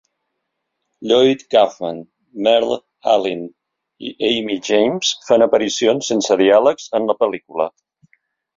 Lloyd Kaufman, Merle Allin i Ami James fan aparicions sense diàlegs en la pel·lícula.